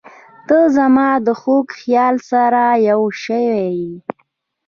• ته زما د خوږ خیال سره یوه شوې.